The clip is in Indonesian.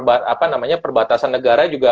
apa namanya perbatasan negara juga